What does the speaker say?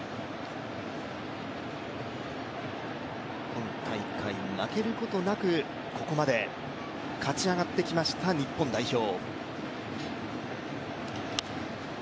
今大会、負けることなく、ここまで勝ち上がってきました日本代表。